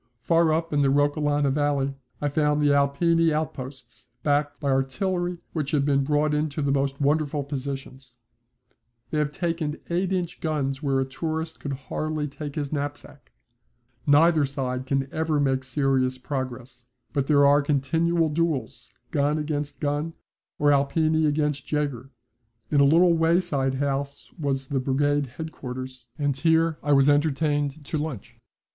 Far up in the Roccolana Valley I found the Alpini outposts, backed by artillery which had been brought into the most wonderful positions. They have taken 8 inch guns where a tourist could hardly take his knapsack. Neither side can ever make serious progress, but there are continual duels, gun against gun, or Alpini against Jaeger. In a little wayside house was the brigade headquarters, and here I was entertained to lunch.